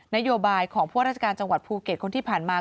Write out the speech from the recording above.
นโยบายของพวกราชการจังหวัดภูเก็ตคนที่ผ่านมา